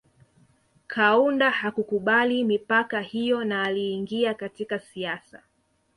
Kaunda hakukubali mipaka hiyo na aliingia katika siasa